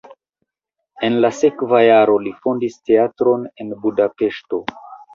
En la sekva jaro li fondis teatron en Budapeŝto.